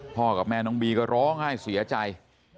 กับแม่น้องบีก็ร้องไห้เสียใจ